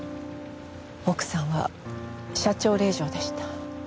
奥さんは社長令嬢でした。